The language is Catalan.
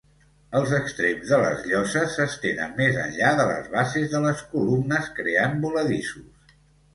Els extrems de les lloses s'estenen més enllà de les bases de les columnes, creant voladissos.